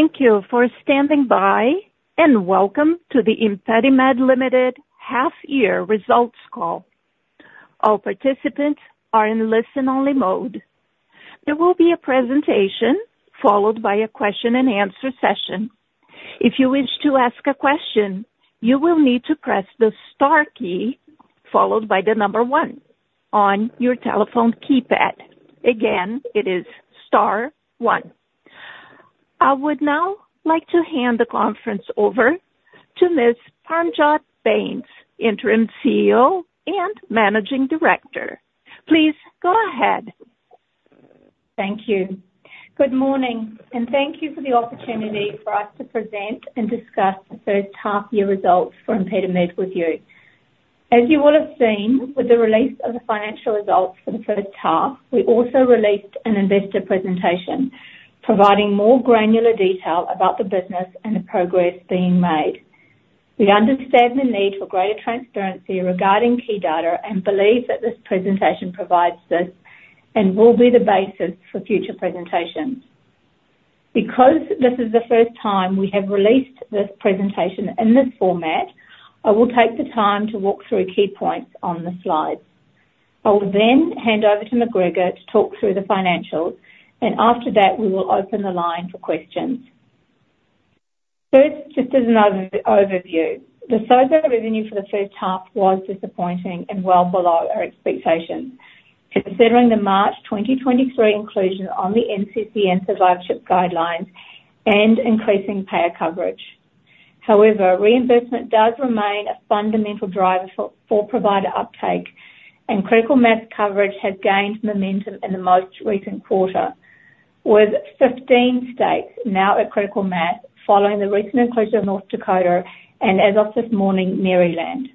Thank you for standing by, and welcome to the ImpediMed Limited half year results call. All participants are in listen-only mode. There will be a presentation followed by a question-and-answer session. If you wish to ask a question, you will need to press the star key, followed by the number one on your telephone keypad. Again, it is star one. I would now like to hand the conference over to Ms. Parmjot Bains, Interim CEO and Managing Director. Please go ahead. Thank you. Good morning, and thank you for the opportunity for us to present and discuss the first half-year results for ImpediMed with you. As you will have seen, with the release of the financial results for the first half, we also released an investor presentation providing more granular detail about the business and the progress being made. We understand the need for greater transparency regarding key data and believe that this presentation provides this and will be the basis for future presentations. Because this is the first time we have released this presentation in this format, I will take the time to walk through key points on the slides. I will then hand over to McGregor to talk through the financials, and after that, we will open the line for questions. First, just as an overview, the total revenue for the first half was disappointing and well below our expectations, considering the March twenty twenty-three inclusion on the NCCN survivorship guidelines and increasing payer coverage. However, reimbursement does remain a fundamental driver for provider uptake, and critical mass coverage has gained momentum in the most recent quarter, with 15 states now at critical mass following the recent inclusion of North Dakota and as of this morning, Maryland.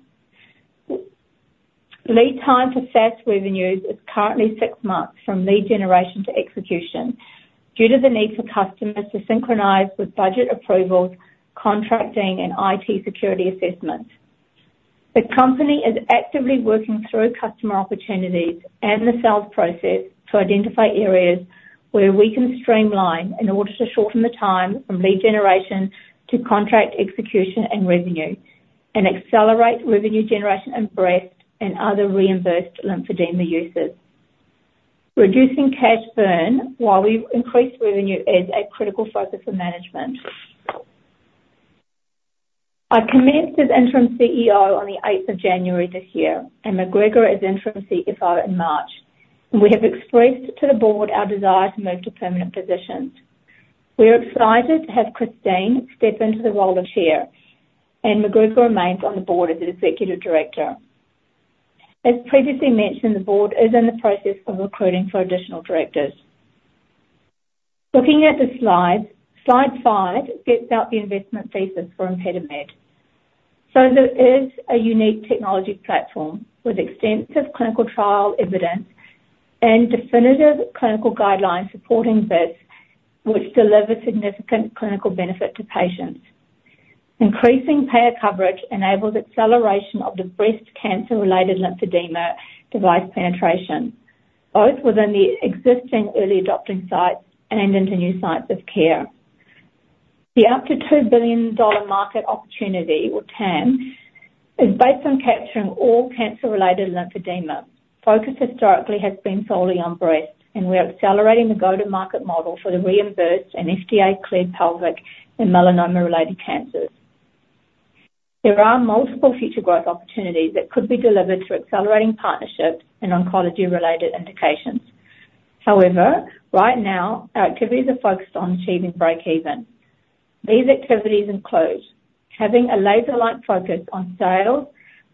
Lead time for SaaS revenues is currently six months from lead generation to execution due to the need for customers to synchronize with budget approvals, contracting, and IT security assessments. The company is actively working through customer opportunities and the sales process to identify areas where we can streamline in order to shorten the time from lead generation to contract execution and revenue, and accelerate revenue generation and breast and other reimbursed lymphedema uses. Reducing cash burn while we increase revenue is a critical focus for management. I commenced as Interim CEO on the eighth of January this year, and McGregor as Interim CFO in March, and we have expressed to the board our desire to move to permanent positions. We are excited to have Christine step into the role of Chair, and McGregor remains on the board as the Executive Director. As previously mentioned, the board is in the process of recruiting for additional directors. Looking at the slides, slide five sets out the investment thesis for ImpediMed. There is a unique technology platform with extensive clinical trial evidence and definitive clinical guidelines supporting this, which delivers significant clinical benefit to patients. Increasing payer coverage enables acceleration of the breast cancer-related lymphedema device penetration, both within the existing early adopting sites and into new sites of care. The up to 2 billion dollar market opportunity, or TAM, is based on capturing all cancer-related lymphedema. Focus historically has been solely on breast, and we are accelerating the go-to-market model for the reimbursed and FDA-cleared pelvic and melanoma-related cancers. There are multiple future growth opportunities that could be delivered through accelerating partnerships in oncology-related indications. However, right now, our activities are focused on achieving breakeven. These activities include: having a laser-like focus on sales,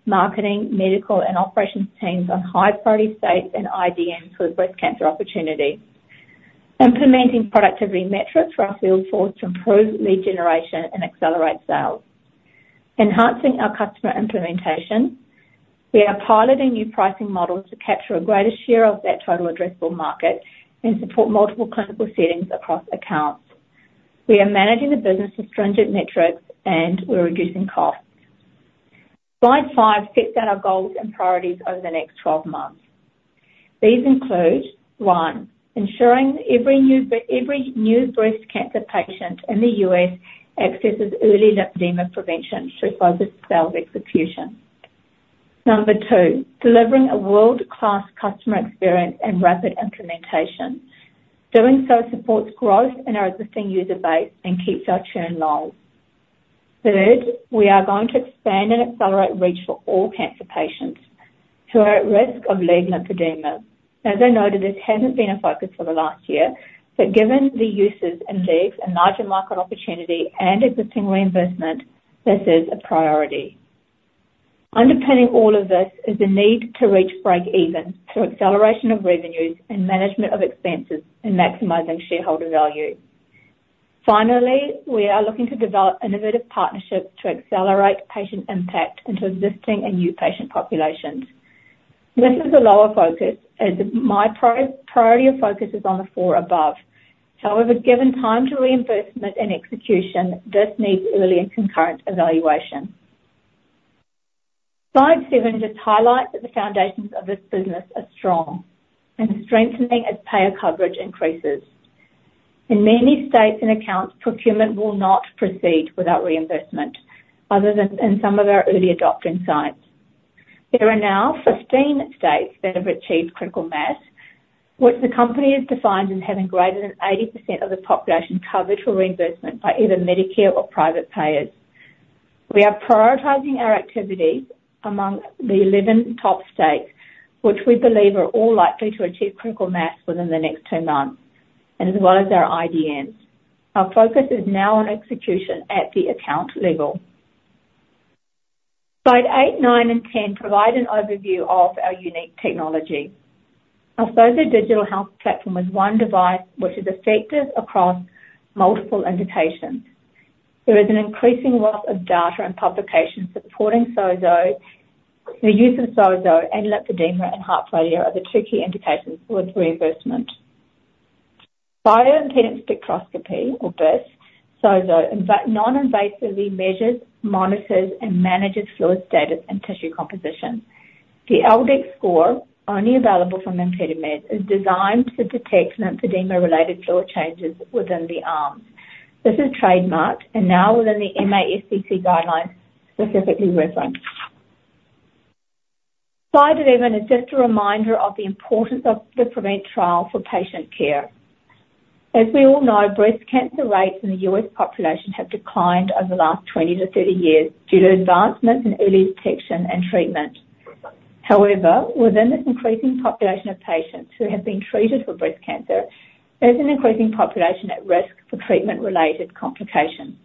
marketing, medical, and operations teams on high-priority states and IDNs with breast cancer opportunities. Implementing productivity metrics for our field force to improve lead generation and accelerate sales. Enhancing our customer implementation. We are piloting new pricing models to capture a greater share of that total addressable market and support multiple clinical settings across accounts. We are managing the business with stringent metrics, and we're reducing costs. Slide five sets out our goals and priorities over the next twelve months. These include, one, ensuring every new breast cancer patient in the U.S. accesses early lymphedema prevention through positive sales execution. Number two, delivering a world-class customer experience and rapid implementation. Doing so supports growth in our existing user base and keeps our churn low. Third, we are going to expand and accelerate reach for all cancer patients who are at risk of leg lymphedema. As I noted, this hasn't been a focus for the last year, but given the uses indeed, a larger market opportunity and existing reimbursement, this is a priority. Underpinning all of this is the need to reach breakeven through acceleration of revenues and management of expenses, and maximizing shareholder value. Finally, we are looking to develop innovative partnerships to accelerate patient impact into existing and new patient populations. This is a lower focus, as my priority of focus is on the four above. However, given time to reimbursement and execution, this needs early and concurrent evaluation. Slide seven just highlights that the foundations of this business are strong and strengthening as payer coverage increases. In many states and accounts, procurement will not proceed without reimbursement, other than in some of our early adopting sites. There are now fifteen states that have achieved critical mass, which the company has defined as having greater than 80% of the population covered for reimbursement by either Medicare or private payers. We are prioritizing our activities among the eleven top states, which we believe are all likely to achieve critical mass within the next two months, and as well as our IDNs. Our focus is now on execution at the account level. Slide 8, 9, and 10 provide an overview of our unique technology. Our SOZO Digital Health Platform is one device which is effective across multiple indications. There is an increasing wealth of data and publications supporting SOZO. The use of SOZO and lymphedema and heart failure are the two key indications towards reimbursement. Bioimpedance spectroscopy, or BIS. SOZO non-invasively measures, monitors, and manages fluid status and tissue composition. The L-Dex score, only available from ImpediMed, is designed to detect lymphedema-related fluid changes within the arms. This is trademarked and now within the MASCC guidelines, specifically referenced. Slide eleven is just a reminder of the importance of the PREVENT trial for patient care. As we all know, breast cancer rates in the U.S. population have declined over the last twenty to thirty years due to advancements in early detection and treatment. However, within this increasing population of patients who have been treated for breast cancer, there's an increasing population at risk for treatment-related complications.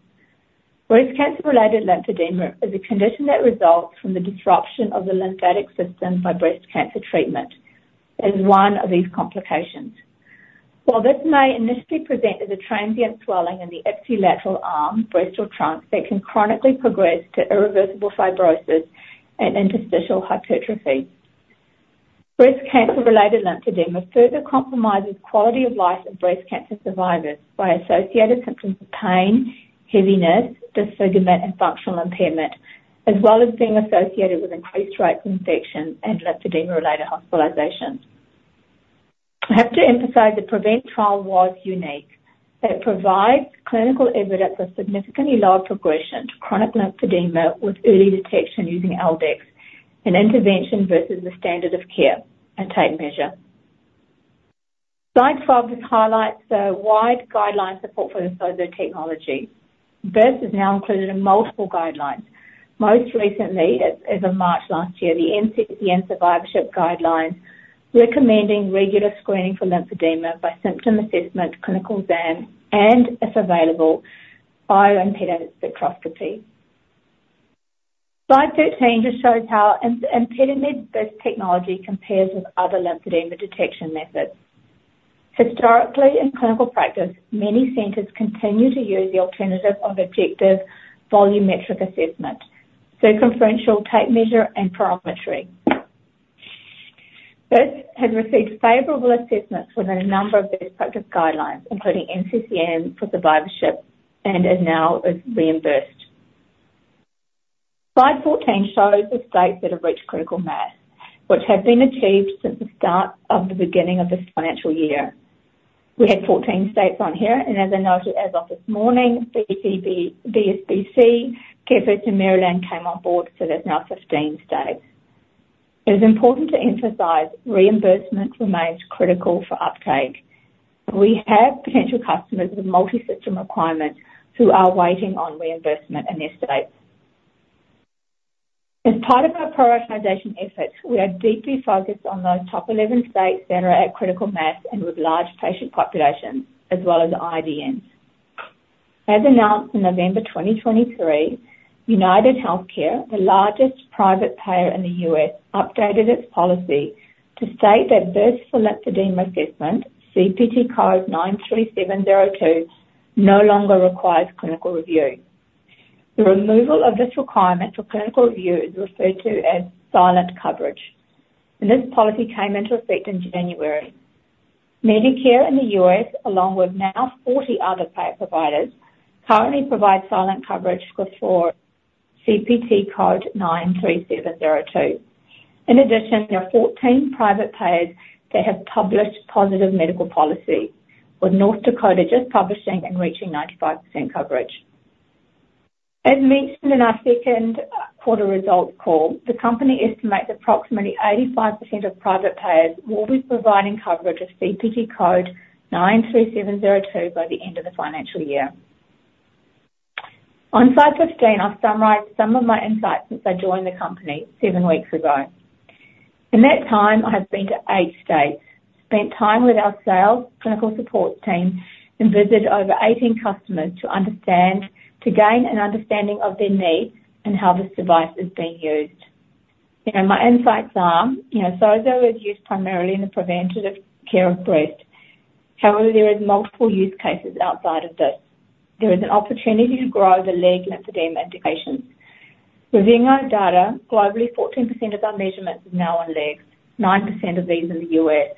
Breast cancer-related lymphedema is a condition that results from the disruption of the lymphatic system by breast cancer treatment, as one of these complications. While this may initially present as a transient swelling in the ipsilateral arm, breast, or trunk, it can chronically progress to irreversible fibrosis and interstitial hypertrophy. Breast cancer-related lymphedema further compromises quality of life in breast cancer survivors by associated symptoms of pain, heaviness, disfigurement, and functional impairment, as well as being associated with increased rates of infection and lymphedema-related hospitalizations. I have to emphasize, the PREVENT trial was unique. It provides clinical evidence of significantly lower progression to chronic lymphedema, with early detection using L-Dex and intervention versus the standard of care and tape measure. Slide 12 just highlights the wide guideline support for the SOZO technology. BIS is now included in multiple guidelines. Most recently, as of March last year, the NCCN Survivorship Guidelines, recommending regular screening for lymphedema by symptom assessment, clinical exam, and if available, bioimpedance spectroscopy. Slide 13 just shows how ImpediMed's BIS technology compares with other lymphedema detection methods. Historically, in clinical practice, many centers continue to use the alternative of objective volumetric assessment, circumferential tape measure, and perimetry. BIS has received favorable assessments within a number of best practice guidelines, including NCCN for survivorship, and is now reimbursed. Slide 14 shows the states that have reached critical mass, which has been achieved since the start of the beginning of this financial year. We had 14 states on here, and as I noted, as of this morning, BCBS, CareFirst in Maryland came on board, so there's now 15 states. It is important to emphasize reimbursement remains critical for uptake. We have potential customers with multi-system requirements who are waiting on reimbursement in their states. As part of our prioritization efforts, we are deeply focused on those top 11 states that are at critical mass and with large patient populations, as well as IDNs. As announced in November 2023, UnitedHealthcare, the largest private payer in the U.S., updated its policy to state that BIS for lymphedema assessment, CPT code 93702, no longer requires clinical review. The removal of this requirement for clinical review is referred to as silent coverage, and this policy came into effect in January. Medicare in the U.S., along with now forty other payers, currently provide silent coverage for CPT code 93702. In addition, there are fourteen private payers that have published positive medical policy, with North Dakota just publishing and reaching 95% coverage. As mentioned in our second quarter results call, the company estimates approximately 85% of private payers will be providing coverage of CPT code 93702 by the end of the financial year. On slide fifteen, I've summarized some of my insights since I joined the company seven weeks ago. In that time, I have been to eight states, spent time with our sales, clinical support team, and visited over eighteen customers to gain an understanding of their needs and how this device is being used. You know, my insights are, you know, SOZO is used primarily in the preventative care of breast. However, there is multiple use cases outside of this. There is an opportunity to grow the leg lymphedema indications. Reviewing our data, globally, 14% of our measurements are now on legs, 9% of these in the US.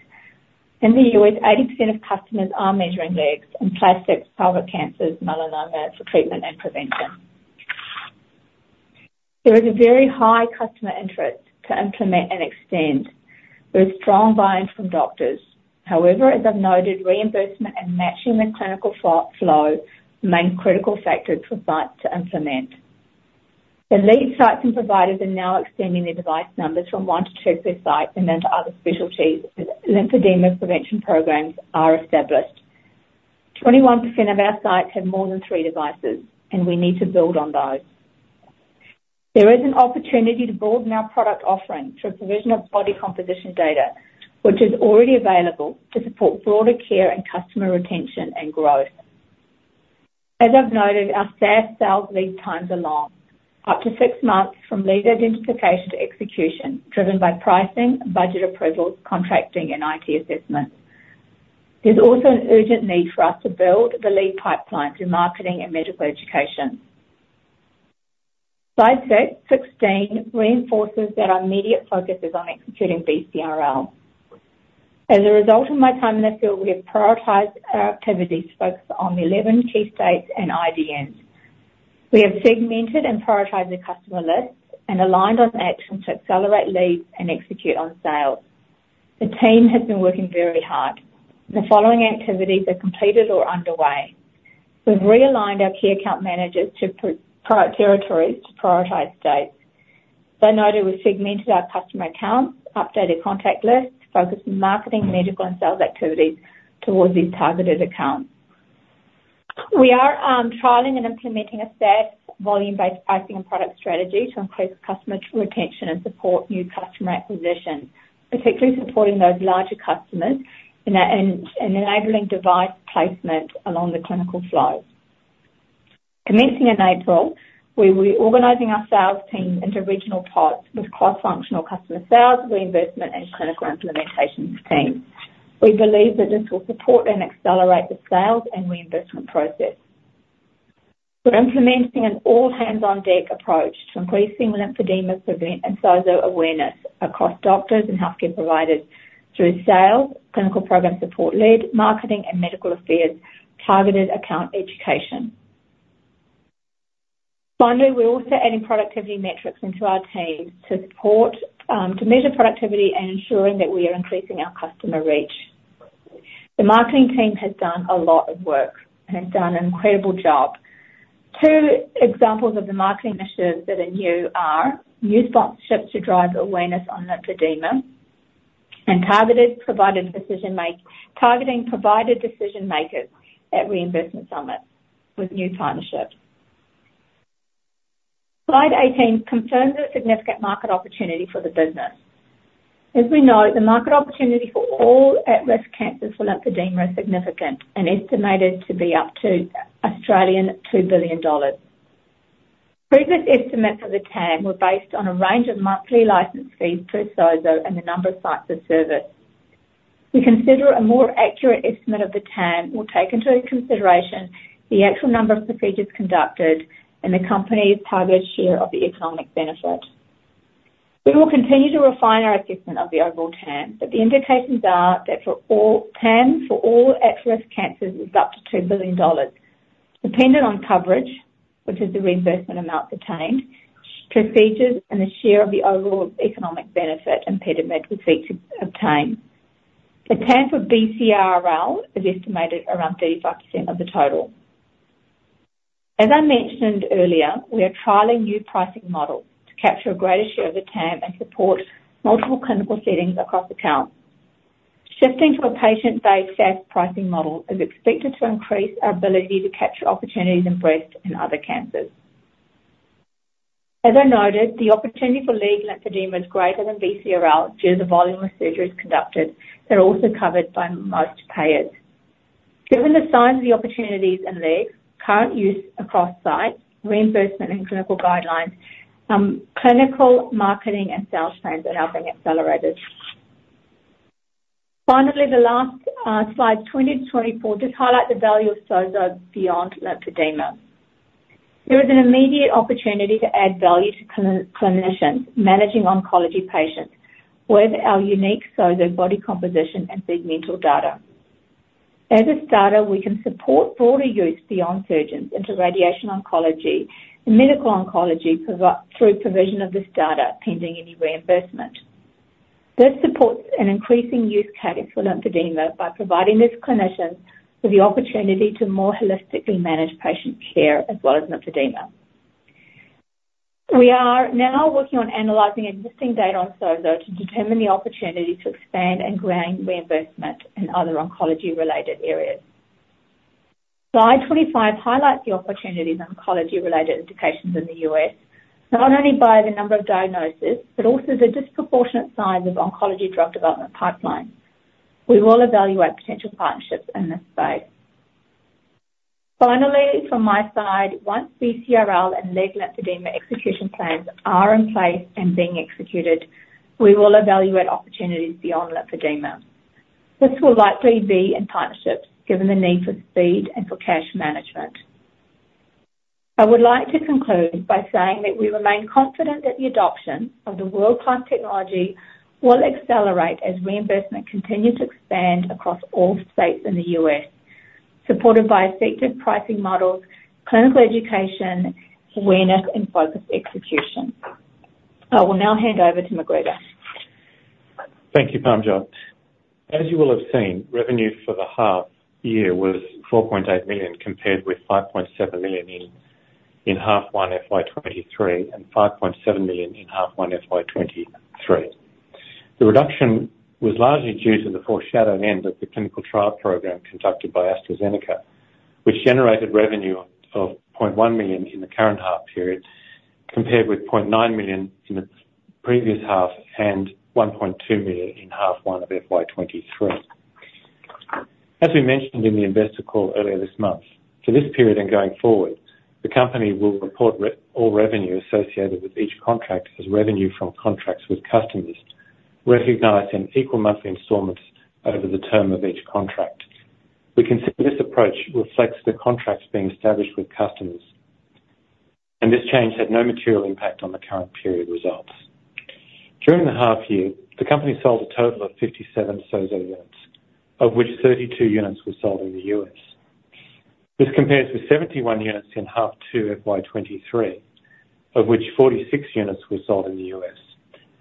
In the US, 80% of customers are measuring legs and plastics, pelvic cancers, melanomas for treatment and prevention. There is a very high customer interest to implement and extend, with strong buy-ins from doctors. However, as I've noted, reimbursement and matching the clinical flow main critical factors for sites to implement. The lead sites and providers are now extending their device numbers from one to two per site, and then to other specialties as lymphedema prevention programs are established. 21% of our sites have more than three devices, and we need to build on those. There is an opportunity to broaden our product offering through provision of body composition data, which is already available to support broader care and customer retention and growth. As I've noted, our SaaS sales lead times are long, up to six months from lead identification to execution, driven by pricing, budget approval, contracting, and IT assessments. There's also an urgent need for us to build the lead pipeline through marketing and medical education. Slide sixteen reinforces that our immediate focus is on executing BCRL. As a result of my time in the field, we have prioritized our activities focused on the 11 key states and IDNs. We have segmented and prioritized the customer lists and aligned on actions to accelerate leads and execute on sales. The team has been working very hard. The following activities are completed or underway. We've realigned our key account managers to prior territories to prioritize states. So notably, we've segmented our customer accounts, updated contact lists, focused marketing, medical, and sales activities towards these targeted accounts. We are trialing and implementing a set volume-based pricing and product strategy to increase customer retention and support new customer acquisition, particularly supporting those larger customers in enabling device placement along the clinical flow. Commencing in April, we'll be organizing our sales team into regional pods with cross-functional customer sales, reimbursement, and clinical implementation teams. We believe that this will support and accelerate the sales and reimbursement process. We're implementing an all-hands-on-deck approach to increasing lymphedema prevention and SOZO awareness across doctors and healthcare providers through sales, clinical program support lead, marketing, and medical affairs, targeted account education. Finally, we're also adding productivity metrics into our teams to support, to measure productivity and ensuring that we are increasing our customer reach. The marketing team has done a lot of work and has done an incredible job. Two examples of the marketing initiatives that are new are new sponsorships to drive awareness on lymphedema and targeting provider decision makers at reimbursement summits with new partnerships. Slide 18 confirms a significant market opportunity for the business. As we know, the market opportunity for all at-risk cancers for lymphedema is significant and estimated to be up to 2 billion Australian dollars. Previous estimates of the TAM were based on a range of monthly license fees per SOZO and the number of sites they service. We consider a more accurate estimate of the TAM will take into consideration the actual number of procedures conducted and the company's target share of the economic benefit. We will continue to refine our assessment of the overall TAM, but the indications are that for all TAM for all at-risk cancers is up to 2 billion dollars, dependent on coverage, which is the reimbursement amount obtained, procedures, and the share of the overall economic benefit and payment received. The TAM for BCRL is estimated around 35% of the total. As I mentioned earlier, we are trialing new pricing models to capture a greater share of the TAM and support multiple clinical settings across accounts. Shifting to a patient-based SaaS pricing model is expected to increase our ability to capture opportunities in breast and other cancers. As I noted, the opportunity for leg lymphedema is greater than BCRL due to the volume of surgeries conducted. They're also covered by most payers. Given the size of the opportunities in leg, current use across sites, reimbursement and clinical guidelines, clinical, marketing, and sales plans are now being accelerated. Finally, the last slide, 20 to 24, just highlight the value of SOZO beyond lymphedema. There is an immediate opportunity to add value to clinicians managing oncology patients with our unique SOZO body composition and segmental data. For starters, we can support broader use beyond surgeons into radiation oncology and medical oncology through provision of this data, pending any reimbursement. This supports an increasing use case for lymphedema by providing this clinician with the opportunity to more holistically manage patient care, as well as lymphedema. We are now working on analyzing existing data on SOZO to determine the opportunity to expand and gain reimbursement in other oncology-related areas. Slide twenty-five highlights the opportunities in oncology-related indications in the U.S., not only by the number of diagnoses, but also the disproportionate size of oncology drug development pipeline. We will evaluate potential partnerships in this space. Finally, from my side, once BCRL and leg lymphedema execution plans are in place and being executed, we will evaluate opportunities beyond lymphedema. This will likely be in partnerships, given the need for speed and for cash management.... I would like to conclude by saying that we remain confident that the adoption of the world-class technology will accelerate as reimbursement continues to expand across all states in the U.S., supported by effective pricing models, clinical education, awareness, and focused execution. I will now hand over to McGregor. Thank you, Parmjot. As you will have seen, revenue for the half year was 4.8 million, compared with 5.7 million in half one FY 2023, and 5.7 million in half one FY 2023. The reduction was largely due to the foreshadowing end of the clinical trial program conducted by AstraZeneca, which generated revenue of 0.1 million in the current half period, compared with 0.9 million in the previous half, and 1.2 million in half one of FY 2023. As we mentioned in the investor call earlier this month, for this period and going forward, the company will report all revenue associated with each contract as revenue from contracts with customers, recognizing equal monthly installments over the term of each contract. We consider this approach reflects the contracts being established with customers, and this change had no material impact on the current period results. During the half year, the company sold a total of fifty-seven SOZO units, of which thirty-two units were sold in the US. This compares with seventy-one units in half two FY 2023, of which forty-six units were sold in the US,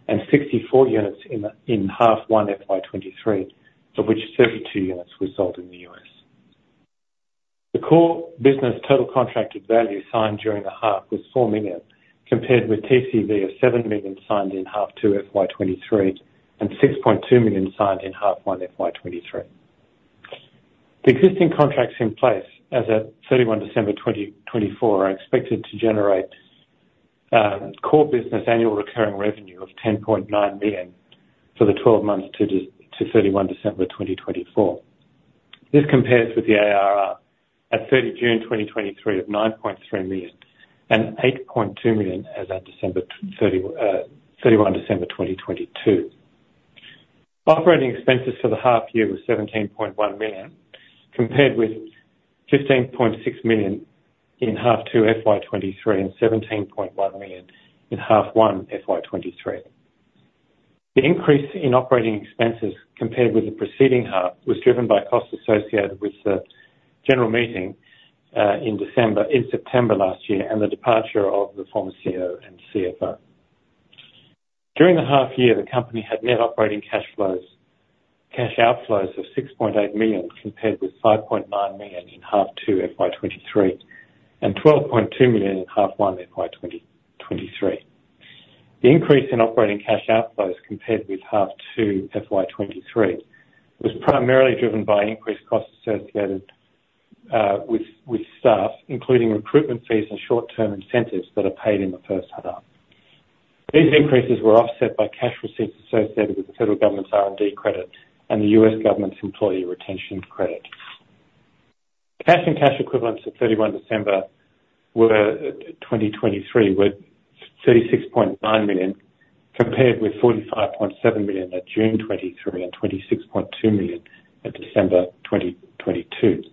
and sixty-four units in half one FY 2023, of which thirty-two units were sold in the US. The core business total contracted value signed during the half was 4 million, compared with TCV of 7 million signed in half two FY 2023, and 6.2 million signed in half one FY 2023. The existing contracts in place as at 31 December 2024 are expected to generate core business annual recurring revenue of 10.9 million for the twelve months to December 31 2024. This compares with the ARR at June 30 2023 of 9.3 million, and 8.2 million as at 31 December 2022. Operating expenses for the half year was 17.1 million, compared with 15.6 million in half two FY 2023, and 17.1 million in half one FY 2023. The increase in operating expenses compared with the preceding half was driven by costs associated with the general meeting in December, in September last year, and the departure of the former CEO and CFO. During the half year, the company had net operating cash flows, cash outflows of 6.8 million, compared with 5.9 million in half two FY 2023, and 12.2 million in half one FY 2023. The increase in operating cash outflows compared with half two FY 2023 was primarily driven by increased costs associated with staff, including recruitment fees and short-term incentives that are paid in the first half. These increases were offset by cash receipts associated with the federal government's R&D credit and the US government's employee retention credit. Cash and cash equivalents at December 31 2023 were 36.9 million, compared with 45.7 million at June 2023, and 26.2 million at December 2022.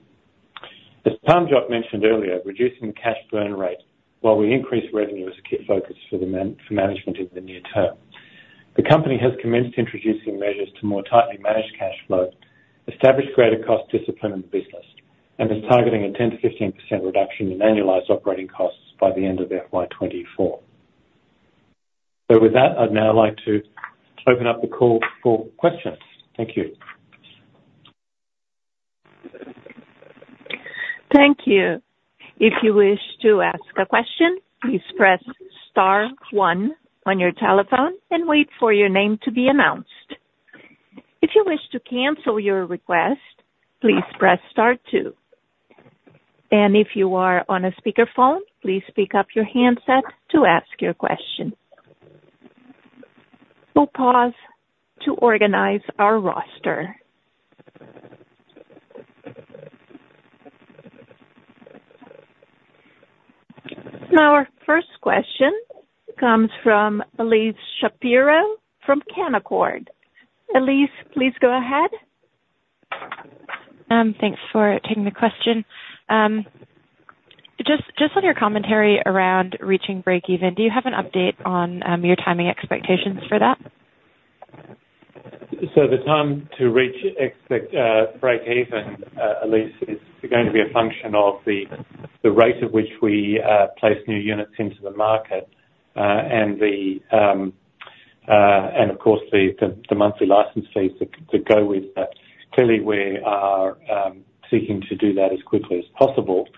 As Parmjot mentioned earlier, reducing the cash burn rate while we increase revenue is a key focus for management in the near term. The company has commenced introducing measures to more tightly manage cash flow, establish greater cost discipline in the business, and is targeting a 10- to 15% reduction in annualized operating costs by the end of FY 2024. So with that, I'd now like to open up the call for questions. Thank you. Thank you. If you wish to ask a question, please press star one on your telephone and wait for your name to be announced. If you wish to cancel your request, please press star two, and if you are on a speakerphone, please pick up your handset to ask your question. We'll pause to organize our roster. Our first question comes from Elyse Shapiro from Canaccord. Elyse, please go ahead. Thanks for taking the question. Just on your commentary around reaching breakeven, do you have an update on your timing expectations for that? So the time to reach breakeven, Elyse, is going to be a function of the rate at which we place new units into the market, and of course, the monthly license fees that go with that. Clearly, we are seeking to do that as quickly as possible,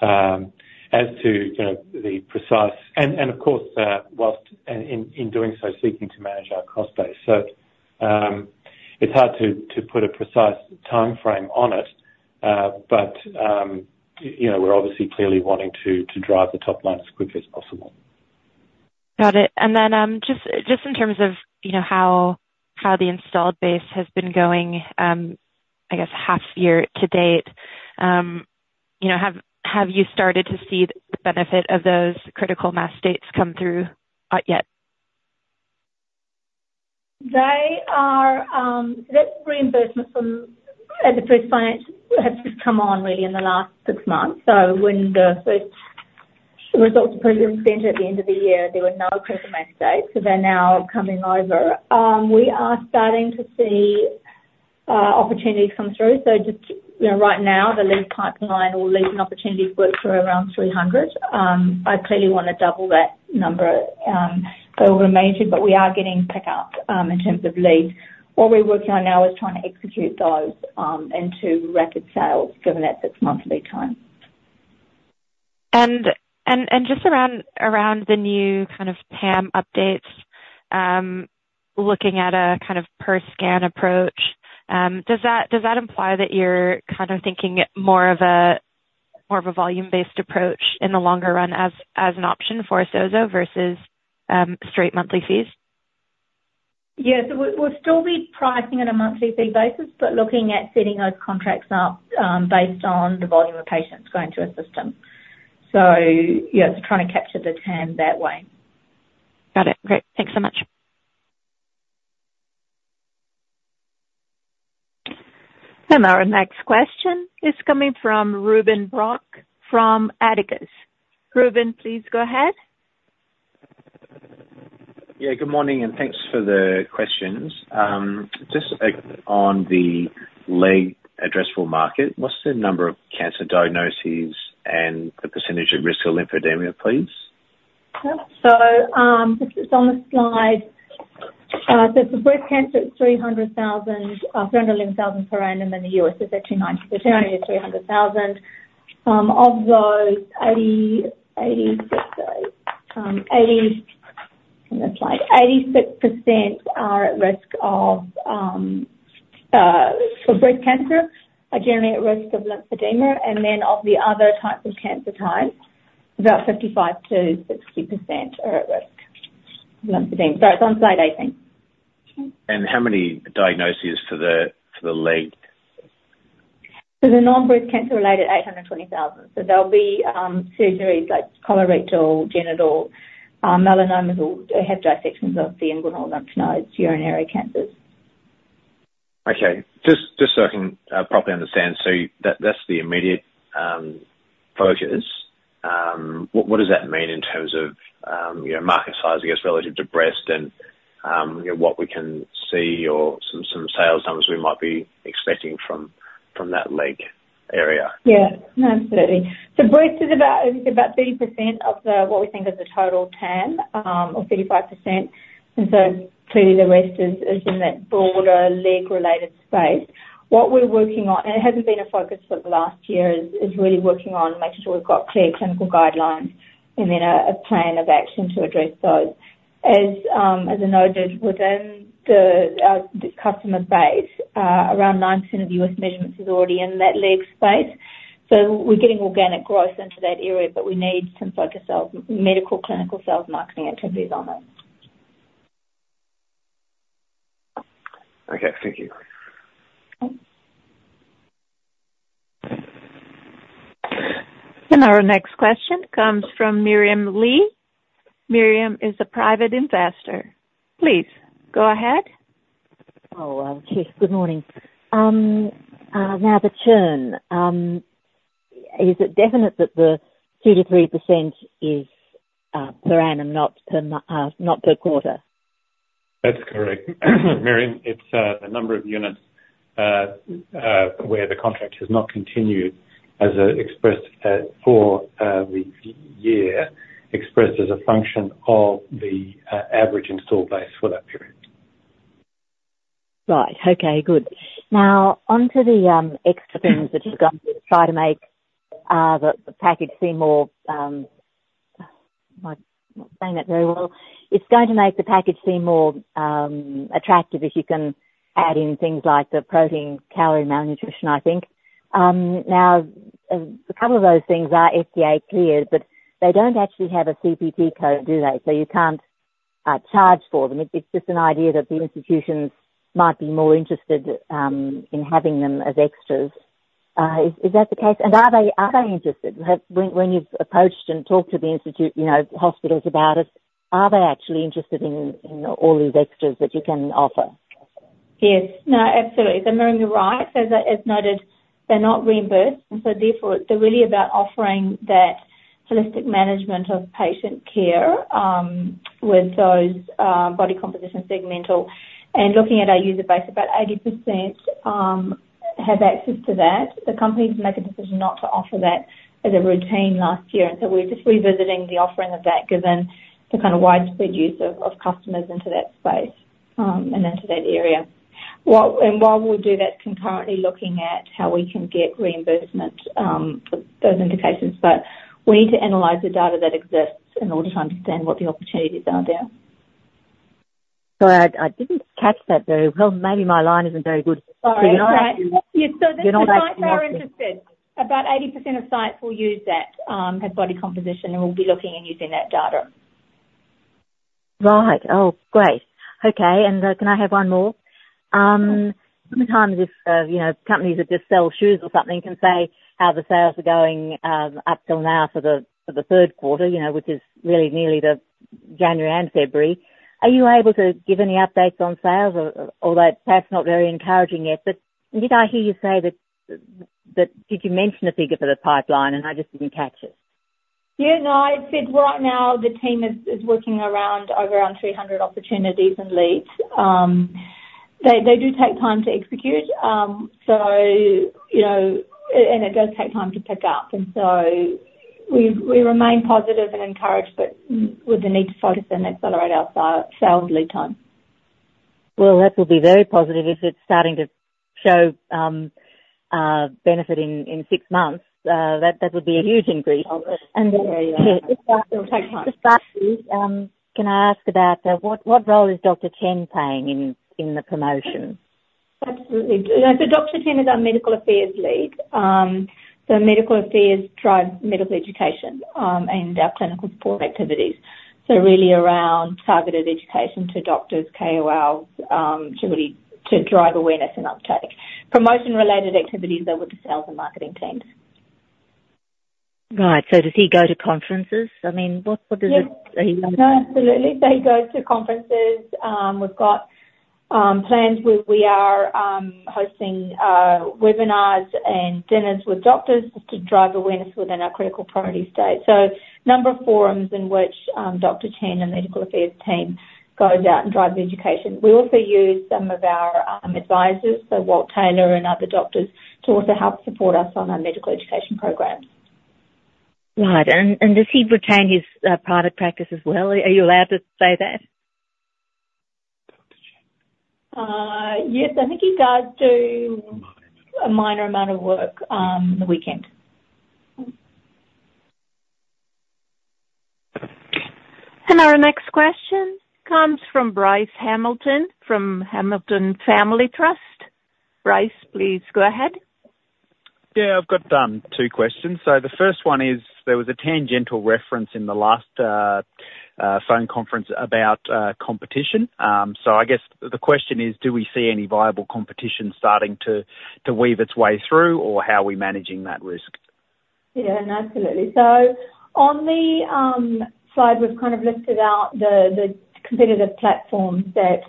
as to the precise. And of course, while, and in doing so, seeking to manage our cost base. So, it's hard to put a precise timeframe on it, but you know, we're obviously clearly wanting to drive the top line as quickly as possible. Got it. And then, just in terms of, you know, how the installed base has been going, I guess, half year to date, you know, have you started to see the benefit of those critical mass dates come through, yet?... They are that reimbursement from the first financials has just come on really in the last six months. So when the first results were presented at the end of the year, there were no reimbursement data, so they're now coming over. We are starting to see opportunities come through, so just, you know, right now, the lead pipeline or leading opportunities worth around 300. I clearly wanna double that number, so we're aiming, but we are getting pick up in terms of leads. What we're working on now is trying to execute those into recurring sales, given that six-monthly time. Just around the new kind of PAM updates, looking at a kind of per scan approach, does that imply that you're kind of thinking more of a volume-based approach in the longer run as an option for SOZO versus straight monthly fees? Yes. We, we'll still be pricing on a monthly fee basis, but looking at setting those contracts up, based on the volume of patients going through our system. So yeah, it's trying to capture the TAM that way. Got it. Great. Thanks so much. And our next question is coming from Ruben Bock from Atticus. Ruben, please go ahead. Yeah, good morning, and thanks for the questions. Just, on the total addressable market, what's the number of cancer diagnoses and the percentage at risk of lymphedema, please? Just, it's on the slide. For breast cancer, it's 300,000, 311,000 per annum in the U.S. It's actually 90, so technically 300,000. Of those, 86%, on the slide, for breast cancer, are generally at risk of lymphedema, and then of the other types of cancer, about 55%-60% are at risk of lymphedema. It's on slide 18. And how many diagnoses for the leg? The non-breast cancer-related, eight hundred and twenty thousand. There'll be surgeries like colorectal, genital, melanomas, or have dissections of the inguinal lymph nodes, urinary cancers. Okay. Just so I can properly understand, so that's the immediate focus. What does that mean in terms of, you know, market size, I guess, relative to breast and, you know, what we can see or some sales numbers we might be expecting from that leg area? Yeah, absolutely. So breast is about 30% of the, what we think is the total TAM, or 35%, and so clearly the rest is in that broader leg-related space. What we're working on, and it hasn't been a focus for the last year, is really working on making sure we've got clear clinical guidelines and then a plan of action to address those. As I noted, within the customer base, around 9% of US measurements is already in that leg space. So we're getting organic growth into that area, but we need some focused sales, medical, clinical sales, marketing activities on it. Okay, thank you. Okay. Our next question comes from Miriam Lee. Miriam is a private investor. Please, go ahead. Oh, okay. Good morning. Now, the churn, is it definite that the 2-3% is per annum, not per month, not per quarter? That's correct. Miriam, it's a number of units where the contract has not continued as expressed for the year, expressed as a function of the average installed base for that period. Right. Okay, good. Now, onto the extras that you're going to try to make the package seem more. I'm not saying that very well. It's going to make the package seem more attractive if you can add in things like the protein, calorie, malnutrition, I think. Now, a couple of those things are FDA cleared, but they don't actually have a CPT code, do they? So you can't charge for them. It's just an idea that the institutions might be more interested in having them as extras. Is that the case? And are they interested? When you've approached and talked to the institute, you know, hospitals about it, are they actually interested in all these extras that you can offer? Yes. No, absolutely. So, Miriam, you're right. As noted, they're not reimbursed, and so therefore, they're really about offering that holistic management of patient care with those body composition, segmental. And looking at our user base, about 80% have access to that. The companies make a decision not to offer that as a routine last year, and so we're just revisiting the offering of that, given the kind of widespread use of customers into that space and into that area. And while we do that, concurrently looking at how we can get reimbursement for those indications, but we need to analyze the data that exists in order to understand what the opportunities are there. I didn't catch that very well. Maybe my line isn't very good. Sorry. Can you hear me? Yeah, so the sites are interested. About 80% of sites will use that, have body composition, and we'll be looking and using that data. Right. Oh, great! Okay, and can I have one more? Sometimes if you know, companies that just sell shoes or something can say how the sales are going up till now for the third quarter, you know, which is really nearly the January and February. Are you able to give any updates on sales, or although it's perhaps not very encouraging yet, but did I hear you say that did you mention a figure for the pipeline and I just didn't catch it? Yeah, no, I said right now the team is working on around three hundred opportunities and leads. They do take time to execute. So, you know, and it does take time to pick up. And so we remain positive and encouraged, but with the need to focus and accelerate our sales lead time. Well, that will be very positive if it's starting to show benefit in six months. That would be a huge increase. Yeah, it'll take time. Can I ask about what role is Dr. Chen playing in the promotion? Absolutely. You know, so Dr. Chen is our medical affairs lead. So medical affairs drives medical education, and our clinical support activities. So really around targeted education to doctors, KOLs, to really drive awareness and uptake. Promotion-related activities, though, with the sales and marketing teams. Right. So does he go to conferences? I mean, what does it- Yes. He- No, absolutely. They go to conferences. We've got plans where we are hosting webinars and dinners with doctors just to drive awareness within our critical priority state. So number of forums in which Dr. Chen and the medical affairs team goes out and drives education. We also use some of our advisors, so Walt Taylor and other doctors, to also help support us on our medical education programs. Right. And does he retain his private practice as well? Are you allowed to say that? Yes, I think he does do a minor amount of work on the weekend. Our next question comes from Bryce Hamilton, from Hamilton Family Trust. Bryce, please go ahead. Yeah, I've got two questions. So the first one is, there was a tangential reference in the last phone conference about competition. So I guess the question is: Do we see any viable competition starting to weave its way through, or how are we managing that risk? Yeah, absolutely. So on the slide, we've kind of listed out the competitive platforms that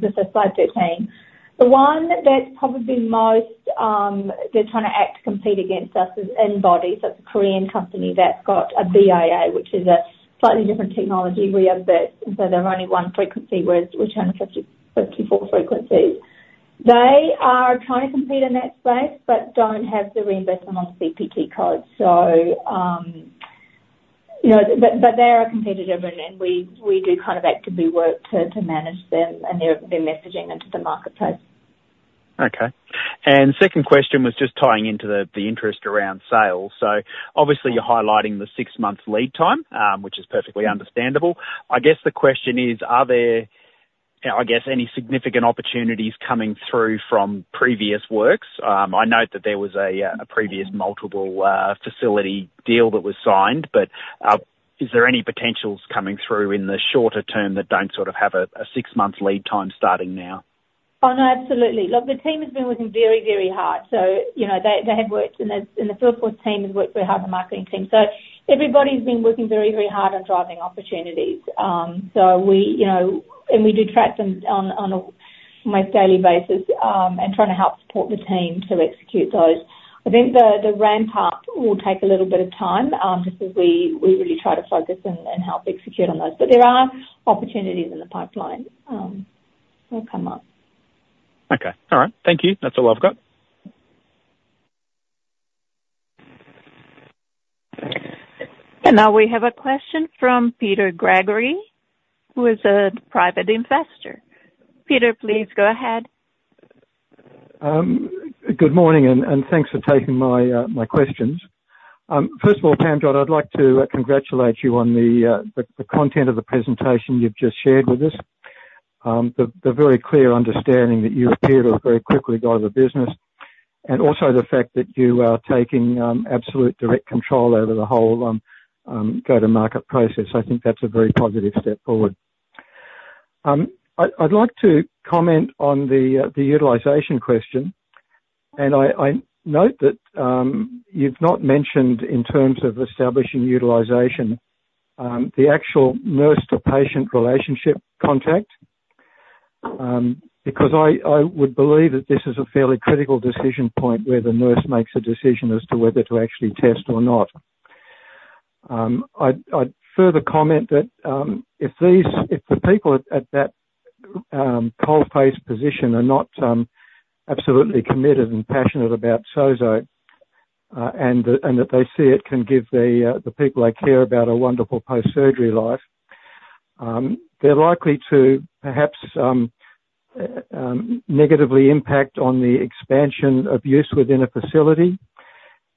this is slide thirteen. The one that's probably most they're trying to act to compete against us is InBody. So it's a Korean company that's got a BIA, which is a slightly different technology we have, but so they're only one frequency, whereas we're 256 frequencies. They are trying to compete in that space, but don't have the reimbursement on CPT code. So you know, but they are a competitor, and we do kind of actively work to manage them and their messaging into the marketplace. Okay. And second question was just tying into the interest around sales. So obviously, you're highlighting the six months lead time, which is perfectly understandable. I guess the question is: Are there any significant opportunities coming through from previous works? I note that there was a previous multiple facility deal that was signed, but is there any potential coming through in the shorter term that don't sort of have a six-month lead time starting now? Oh, no, absolutely. Look, the team has been working very, very hard, so, you know, they have worked, and the sales force team has worked very hard, the marketing team. So everybody's been working very, very hard on driving opportunities. So we, you know, and we do track them on an almost daily basis, and trying to help support the team to execute those. I think the ramp-up will take a little bit of time, just as we really try to focus and help execute on those. But there are opportunities in the pipeline, they'll come up. Okay. All right. Thank you. That's all I've got. Now we have a question from Peter Gregory, who is a private investor. Peter, please go ahead. Good morning, and thanks for taking my questions. First of all, Tamra, I'd like to congratulate you on the content of the presentation you've just shared with us. The very clear understanding that you appear to have very quickly got of the business, and also the fact that you are taking absolute direct control over the whole go-to-market process. I think that's a very positive step forward. I'd like to comment on the utilization question, and I note that you've not mentioned in terms of establishing utilization the actual nurse-to-patient relationship contact. Because I would believe that this is a fairly critical decision point where the nurse makes a decision as to whether to actually test or not. I'd further comment that if the people at that coalface position are not absolutely committed and passionate about SOZO, and that they see it can give the people they care about a wonderful post-surgery life, they're likely to perhaps negatively impact on the expansion of use within a facility.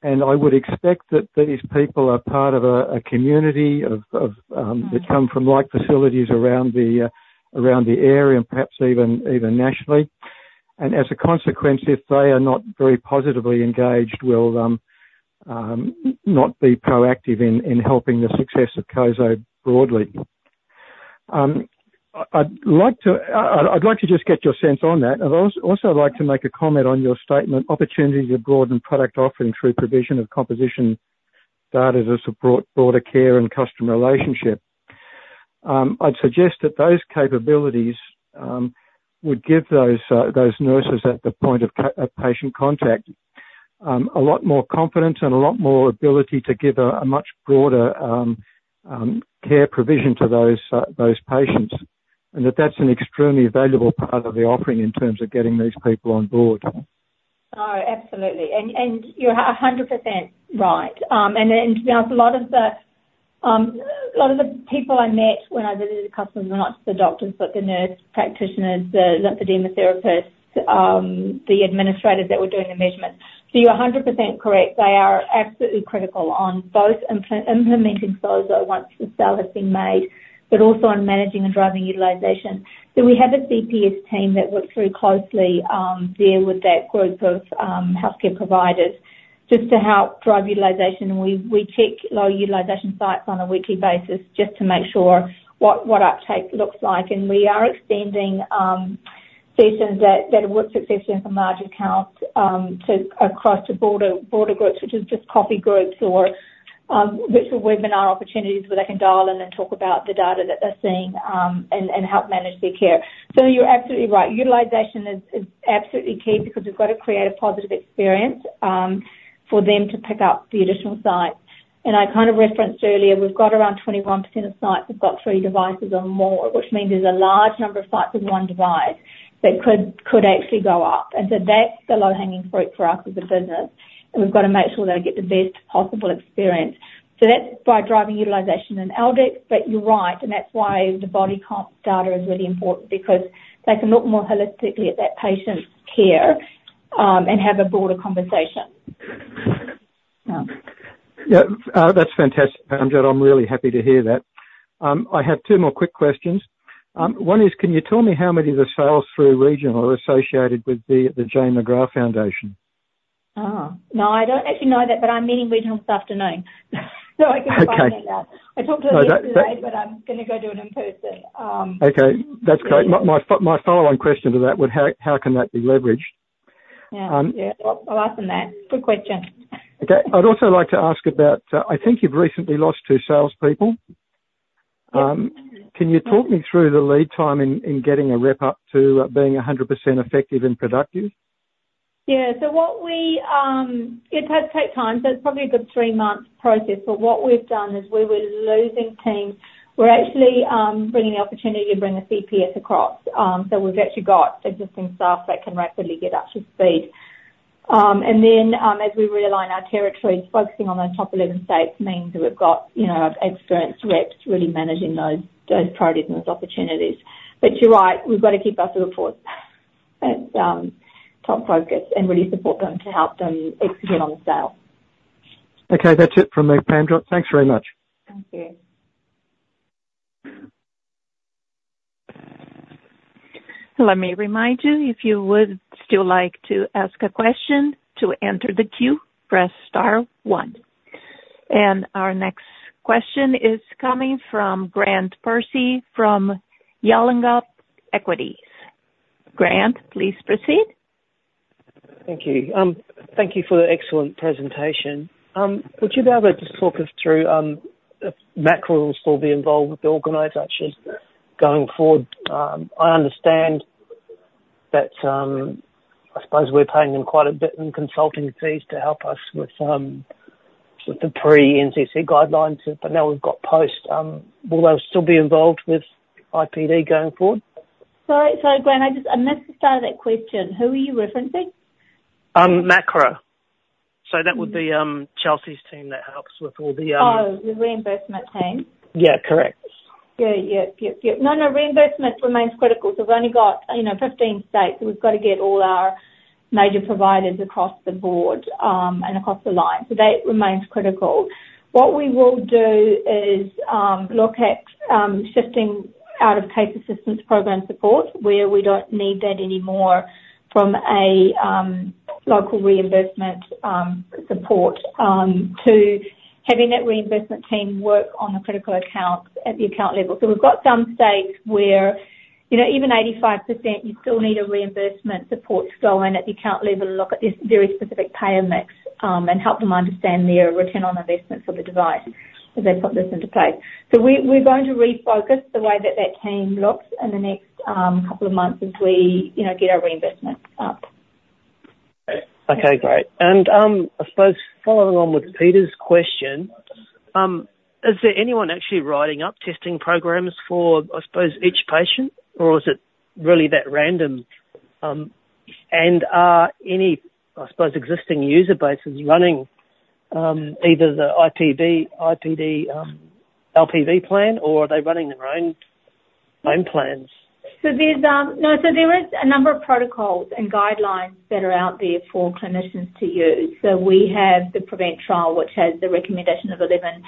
And I would expect that these people are part of a community of that come from like facilities around the area and perhaps even nationally. And as a consequence, if they are not very positively engaged, will not be proactive in helping the success of SOZO broadly. I'd like to just get your sense on that. I'd also like to make a comment on your statement, opportunities to broaden product offering through provision of composition data to support broader care and customer relationship. I'd suggest that those capabilities would give those nurses at the point of patient contact a lot more confidence and a lot more ability to give a much broader care provision to those patients, and that that's an extremely valuable part of the offering in terms of getting these people on board. Oh, absolutely. And you're 100% right. And to be honest, a lot of the people I met when I visited the customers were not just the doctors, but the nurse practitioners, the lymphedema therapists, the administrators that were doing the measurements. So you're 100% correct. They are absolutely critical on both implementing those once the sale has been made, but also on managing and driving utilization. So we have a CPS team that works very closely there with that group of healthcare providers just to help drive utilization. We check low utilization sites on a weekly basis just to make sure what uptake looks like. We are extending sessions that have worked successfully for large accounts to across to broader groups, which is just coffee groups or virtual webinar opportunities where they can dial in and talk about the data that they're seeing and help manage their care. You're absolutely right. Utilization is absolutely key because we've got to create a positive experience for them to pick up the additional sites. I kind of referenced earlier. We've got around 21% of sites. We've got three devices or more, which means there's a large number of sites with one device that could actually go up. That's the low-hanging fruit for us as a business, and we've got to make sure they get the best possible experience. So that's by driving utilization and L-Dex, but you're right, and that's why the body comp data is really important, because they can look more holistically at that patient's care, and have a broader conversation. Yeah. That's fantastic, Parmjot. I'm really happy to hear that. I have two more quick questions. One is, can you tell me how many of the sales through regional are associated with the Jane McGrath Foundation? Oh, no, I don't actually know that, but I'm meeting regional this afternoon, so I can find that out. Okay. I talked to them yesterday, but I'm gonna go do it in person. Okay. That's great. My follow-on question to that would, how can that be leveraged? Yeah. Um. Yeah. I'll ask them that. Good question. Okay. I'd also like to ask about, I think you've recently lost two salespeople. Yes. Can you talk me through the lead time in getting a rep up to being 100% effective and productive? Yeah. So what we... It does take time, so it's probably a good three-month process. But what we've done is where we're losing teams, we're actually bringing the opportunity to bring the CPS across. So we've actually got existing staff that can rapidly get up to speed. And then, as we realign our territories, focusing on those top eleven states means that we've got, you know, experienced reps really managing those priorities and those opportunities. But you're right, we've got to keep our reps, and top focus and really support them to help them execute on the sale. Okay, that's it from me, Parmjot. Thanks very much. Thank you. Let me remind you, if you would still like to ask a question, to enter the queue, press star one. And our next question is coming from Grant Percy, from Yallingup Equities. Grant, please proceed. Thank you. Thank you for the excellent presentation. Would you be able to just talk us through, if McGregor will still be involved with the organization going forward? I understand that, I suppose we're paying them quite a bit in consulting fees to help us with the pre-NCC guidelines, but now we've got post, will they still be involved with ImpediMed going forward? Sorry, so Grant, I just... I missed the start of that question. Who are you referencing? McGregor. So that would be, Chelsea's team that helps with all the, Oh, the reimbursement team? Yeah, correct. Yeah. Yep, yep, yep. No, no, reimbursement remains critical. So we've only got, you know, fifteen states. We've got to get all our major providers across the board, and across the line. So that remains critical. What we will do is look at shifting out-of-pocket assistance program support, where we don't need that anymore from a local reimbursement support to having that reimbursement team work on the critical accounts at the account level. So we've got some states where, you know, even 85%, you still need a reimbursement support to go in at the account level and look at this very specific payer mix, and help them understand their return on investment for the device as they put this into place. So we're going to refocus the way that that team looks in the next couple of months as we, you know, get our reinvestment up. Okay, great. And I suppose following along with Peter's question, is there anyone actually writing up testing programs for, I suppose, each patient, or is it really that random? And are any, I suppose, existing user bases running either the IPD LPV plan, or are they running their own plans? There is a number of protocols and guidelines that are out there for clinicians to use. We have the PREVENT trial, which has the recommendation of 11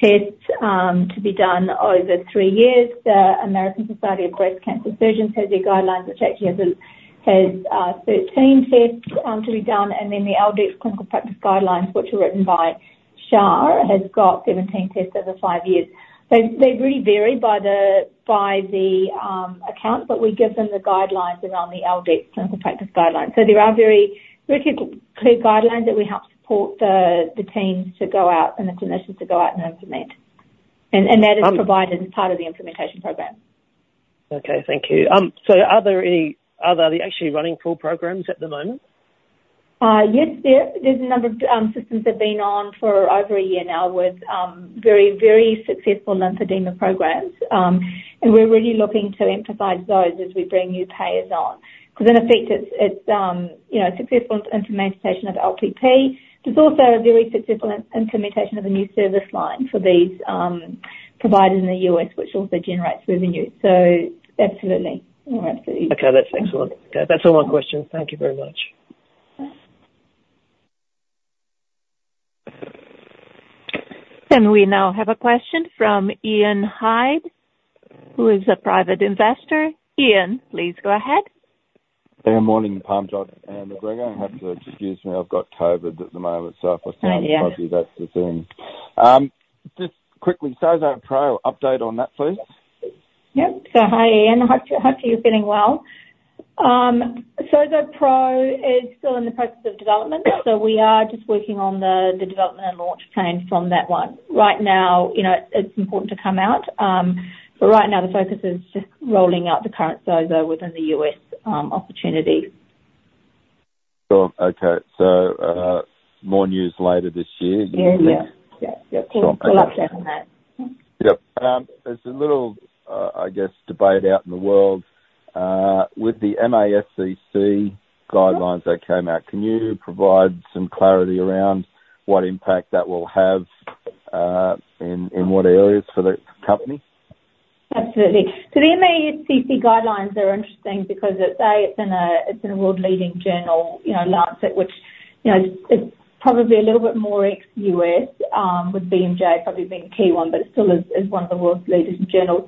tests to be done over three years. The American Society of Breast Cancer Surgeons has their guidelines, which actually has 13 tests to be done, and then the L-Dex clinical practice guidelines, which are written by Shah, has got 17 tests over five years. They really vary by the account, but we give them the guidelines around the L-Dex clinical practice guidelines. There are very, very clear guidelines that we help support the teams to go out, and the clinicians to go out and implement. And that is provided as part of the implementation program. Okay, thank you. So are they actually running full programs at the moment? Yes, there's a number of systems that have been on for over a year now with very, very successful lymphedema programs. And we're really looking to emphasize those as we bring new payers on, because in effect, it's you know, successful implementation of LPP. There's also a very successful implementation of a new service line for these providers in the U.S., which also generates revenue. So absolutely. We're absolutely- Okay, that's excellent. Okay, that's all my questions. Thank you very much. Okay. We now have a question from Ian Hyde, who is a private investor. Ian, please go ahead. Good morning, Parmjot. And you're gonna have to excuse me, I've got COVID at the moment, so I sound- Oh, yeah. Fuzzy, that's assumed. Just quickly, SOZO Pro, update on that, please. Yep. So hi, Ian. Hope you're getting well. SOZO Pro is still in the process of development, so we are just working on the development and launch plan for that one. Right now, you know, it's important to come out, but right now the focus is just rolling out the current SOZO within the U.S. opportunity. So, okay. So, more news later this year? Yeah. Yeah. Yep. We'll update on that. Yep. There's a little, I guess, debate out in the world with the MASCC guidelines that came out. Can you provide some clarity around what impact that will have in what areas for the company? Absolutely. So the MASCC guidelines are interesting because it's, A, it's in a world-leading journal, you know, The Lancet, which, you know, it's probably a little bit more ex-US, with BMJ probably being a key one, but it still is one of the world's leading journals.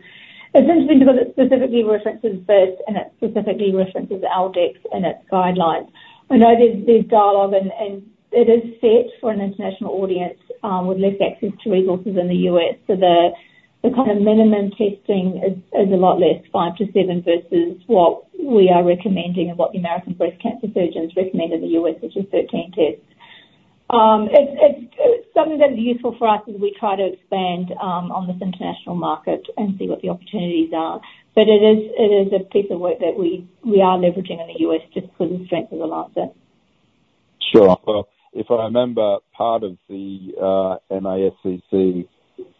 It's interesting because it specifically references this, and it specifically references L-Dex and its guidelines. We know there's dialogue and it is set for an international audience, with less access to resources in the US. So the kind of minimum testing is a lot less, five to seven, versus what we are recommending and what the American Society of Breast Cancer Surgeons recommend in the US, which is 13 tests. It's something that is useful for us as we try to expand on this international market and see what the opportunities are. But it is a piece of work that we are leveraging in the U.S. just because the strength of The Lancet. Sure. If I remember, part of the MASCC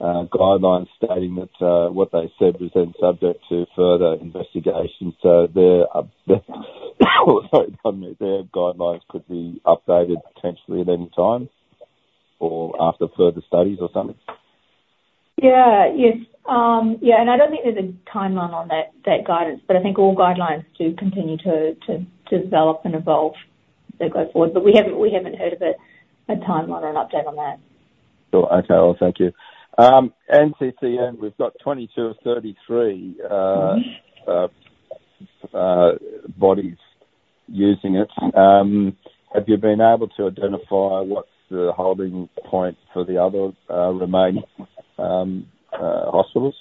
guidelines stating that what they said was then subject to further investigation, so their guidelines could be updated potentially at any time or after further studies or something? Yeah. Yes. yeah, and I don't think there's a timeline on that guidance, but I think all guidelines do continue to develop and evolve as they go forward. But we haven't heard of a timeline or an update on that. Cool. Okay, well, thank you. NCCN, we've got twenty-two of thirty-three bodies using it. Have you been able to identify what's the holding point for the other remaining hospitals?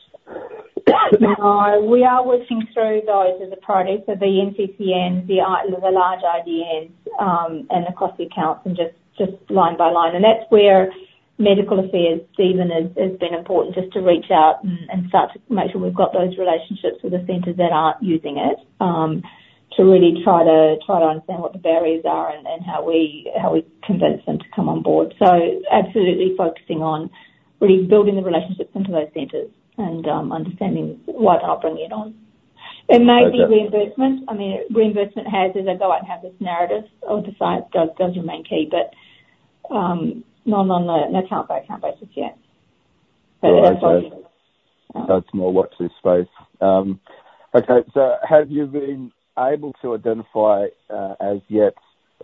No, we are working through those as a priority, so the NCCN, the large IDNs, and across the accounts and just line by line. And that's where Medical Affairs, Steven, has been important, just to reach out and start to make sure we've got those relationships with the centers that aren't using it, to really try to understand what the barriers are and how we convince them to come on board. So absolutely focusing on really building the relationships into those centers and understanding what they're not bringing it on. Okay. It may be reimbursement. I mean, reimbursement has, as I go out and have this narrative, I would decide does remain key, but, not on an account-by-account basis yet. Okay. So it's more watch this space. Okay, so have you been able to identify, as yet,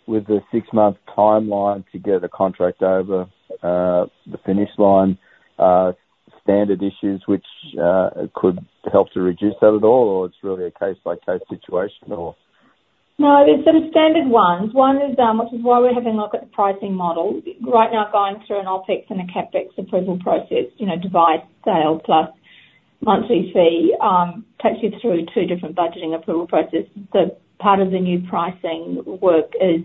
with the six-month timeline to get a contract over, the finish line, standard issues which could help to reduce that at all, or it's really a case-by-case situation, or? No, there's sort of standard ones. One is, which is why we're having a look at the pricing model. Right now, going through an OpEx and a CapEx approval process, you know, device sale plus monthly fee, takes you through two different budgeting approval processes. So part of the new pricing work is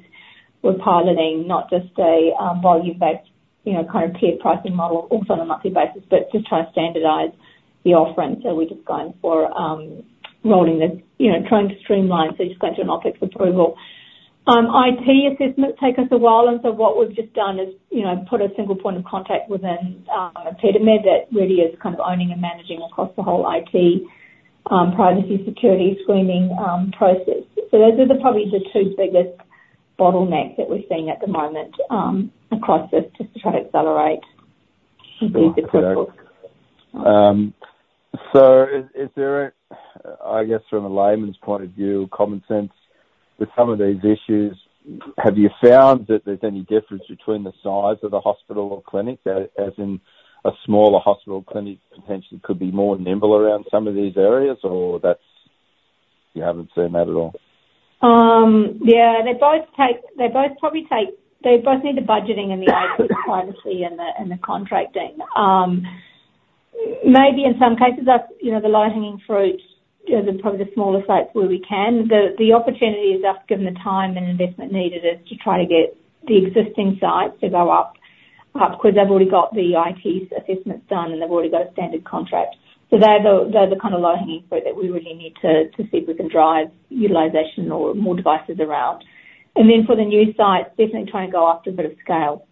we're piloting not just a volume-based, you know, kind of tier pricing model, also on a monthly basis, but to try to standardize the offering. So we're just going for, rolling the, you know, trying to streamline, so just going through an OpEx approval. IT assessments take us a while, and so what we've just done is, you know, put a single point of contact within ImpediMed that really is kind of owning and managing across the whole IT, privacy, security, screening, process. So those are probably the two biggest bottlenecks that we're seeing at the moment, across this, just to try to accelerate the approval.... so is there a, I guess, from a layman's point of view, common sense with some of these issues? Have you found that there's any difference between the size of the hospital or clinic, as in a smaller hospital or clinic potentially could be more nimble around some of these areas, or that's, you haven't seen that at all? Yeah, they both probably take. They both need the budgeting and the IT privacy and the contracting. Maybe in some cases, that's, you know, the low-hanging fruit, you know, probably the smaller sites where we can. The opportunity is there, given the time and investment needed, is to try to get the existing sites to go up because they've already got the IT assessments done, and they've already got a standard contract. So they're the kind of low-hanging fruit that we really need to see if we can drive utilization or more devices around. And then for the new sites, definitely try and go after a bit of scale,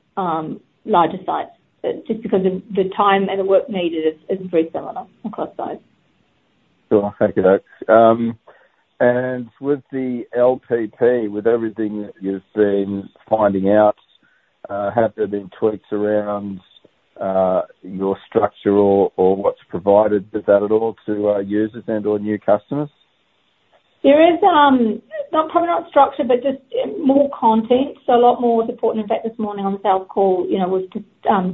larger sites, but just because the time and the work needed is very similar across size. Sure. Thank you, folks. With the LPP, with everything that you've been finding out, have there been tweaks around your structure or what's provided with that at all to users and/or new customers? There is not, probably not structure, but just more content, so a lot more support, and in fact, this morning on the sales call, you know, we've just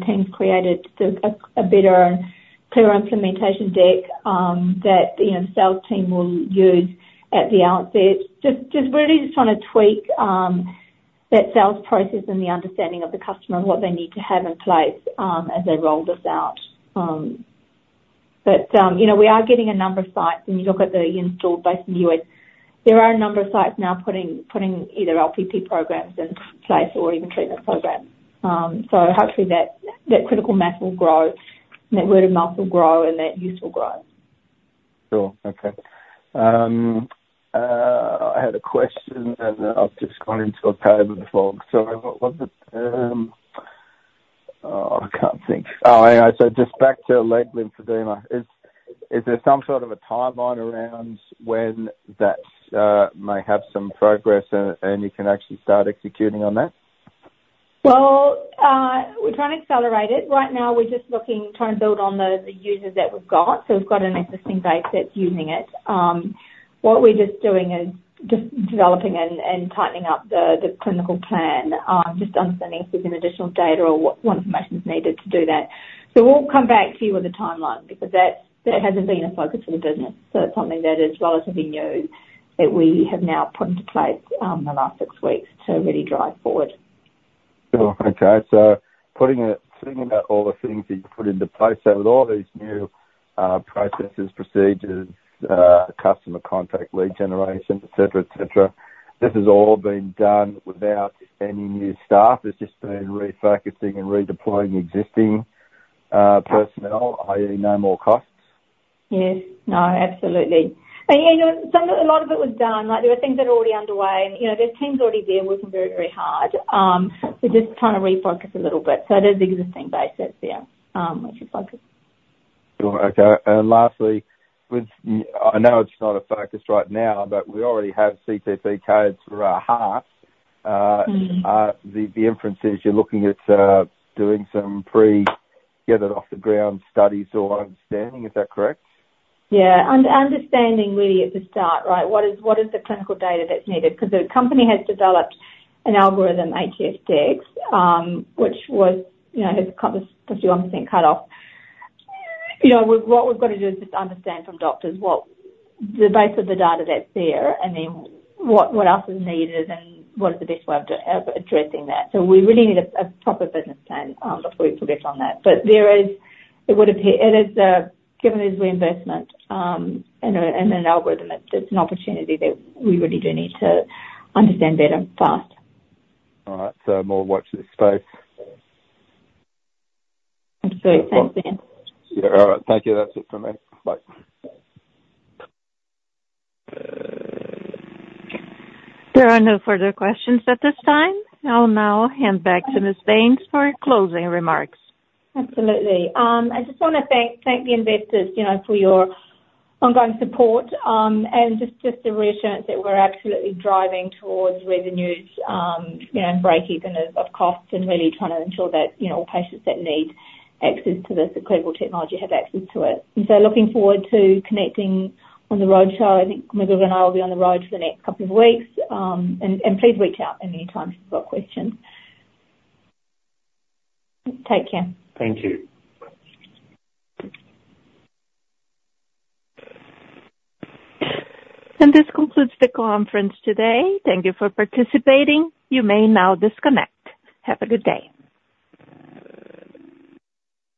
teams created to a better and clearer implementation deck, that you know, sales team will use at the outset. Just really trying to tweak that sales process and the understanding of the customer and what they need to have in place as they roll this out, but you know, we are getting a number of sites. When you look at the installed base in the U.S., there are a number of sites now putting either LPP programs in place or even treatment programs, so hopefully that critical mass will grow, and that word of mouth will grow and that use will grow. Sure. Okay. I had a question, and then I've just gone into a cave of the fog. So what was it? Oh, I can't think. Oh, anyway, so just back to leg lymphedema, is there some sort of a timeline around when that may have some progress and you can actually start executing on that? We're trying to accelerate it. Right now, we're just looking, trying to build on the users that we've got. So we've got an existing base that's using it. What we're just doing is just developing and tightening up the clinical plan, just understanding if there's an additional data or what information is needed to do that. So we'll come back to you with a timeline because that hasn't been a focus of the business. So it's something that is relatively new, that we have now put into place, the last six weeks to really drive forward. Sure. Okay. So putting it, thinking about all the things that you've put into place, so with all these new, processes, procedures, customer contact, lead generation, et cetera, et cetera, this has all been done without any new staff. It's just been refocusing and redeploying existing, personnel, i.e., no more costs? Yes. No, absolutely, and you know, some of it, a lot of it was done. Like, there were things that are already underway and, you know, there's teams already there working very, very hard. We're just trying to refocus a little bit, so there's the existing base that's there, which is focused. Sure. Okay. And lastly, with... I know it's not a focus right now, but we already have CPT codes for our heart. Mm-hmm. The inference is you're looking at doing some pre-get it off the ground studies or understanding. Is that correct? Yeah. Understanding really at the start, right? What is the clinical data that's needed? Because the company has developed an algorithm, HF-Dex, which was, you know, has got the 51% cut off. You know, what we've got to do is just understand from doctors what the base of the data that's there, and then what else is needed, and what is the best way of addressing that. So we really need a proper business plan before we progress on that. But there is, it would appear, it is, given it is reinvestment, and an algorithm, it's an opportunity that we really do need to understand better fast. All right. So, more. Watch this space. Absolutely. Thanks, Dan. Yeah. All right. Thank you. That's it for me. Bye. There are no further questions at this time. I'll now hand back to Ms. Bains for closing remarks. Absolutely. I just wanna thank the investors, you know, for your ongoing support, and just to reassure that we're absolutely driving towards revenues, you know, and breakeven of costs, and really trying to ensure that, you know, patients that need access to this incredible technology have access to it. And so looking forward to connecting on the road show. I think Miguel and I will be on the road for the next couple of weeks, and please reach out anytime you've got questions. Take care. Thank you. This concludes the conference today. Thank you for participating. You may now disconnect. Have a good day.